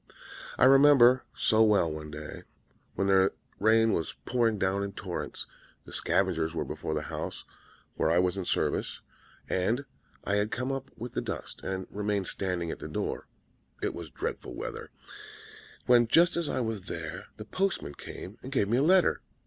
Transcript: I remember so well one day, when the rain was pouring down in torrents, the scavengers were before the house where I was in service, and I had come up with the dust, and remained standing at the door it was dreadful weather when just as I was there, the postman came and gave me a letter.